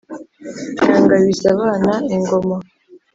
yangabiza abana ingoma